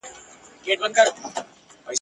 مږندي مي ښایستې یوه تر بلي ګړندۍ دي !.